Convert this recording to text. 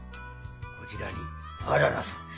こちらにあららさん。